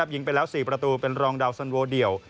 ยิงไปแล้ว๔ประตูเป็นรองดาวน์๑๐๐๐โวลด์เดี่ยว